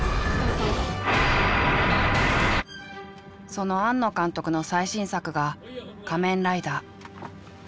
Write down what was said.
その庵野監督の最新作が「仮面ライダー」。